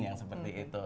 yang seperti itu